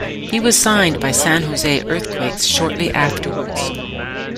He was signed by San Jose Earthquakes shortly afterwards.